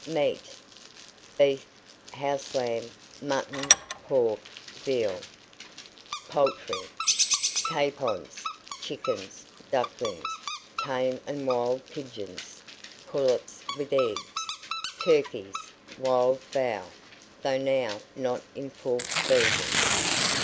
MEAT. Beef, house lamb, mutton, pork, veal. POULTRY. Capons, chickens, ducklings, tame and wild pigeons, pullets with eggs, turkeys, wild fowl, though now not in full season.